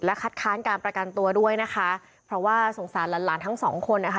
คัดค้านการประกันตัวด้วยนะคะเพราะว่าสงสารหลานหลานทั้งสองคนนะคะ